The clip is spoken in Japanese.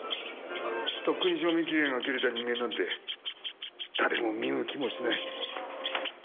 とっくに賞味期限が切れた人間なんて誰も見向きもしない。